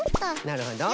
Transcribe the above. なるほど。